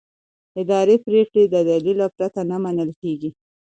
اداري پریکړې د دلیل پرته نه منل کېږي.